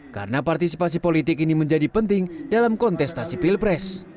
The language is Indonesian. karena partisipasi politik ini menjadi penting dalam kontestasi pilpres